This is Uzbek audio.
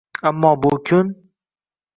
Ammo bu kun